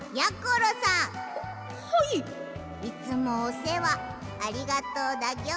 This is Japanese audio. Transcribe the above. いつもおせわありがとうだギョ。